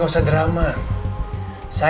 mas ini udah selesai